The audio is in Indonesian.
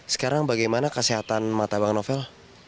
sekarang bagaimana kesehatan mata bang novel